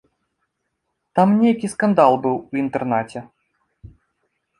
Там нейкі скандал быў у інтэрнаце.